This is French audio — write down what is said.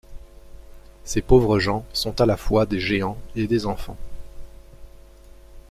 Ces pauvres gens sont à la fois des géants et des enfants.